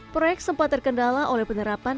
proyek sempat terkendala oleh penerapan